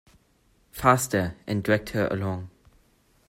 ‘Faster!’ and dragged her along.